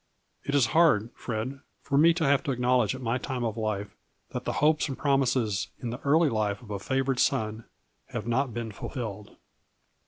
It is hard, Fred, for me to have to ac knowledge at my time of life that the hopes and promises in the early life of a favored son have not been fulfilled.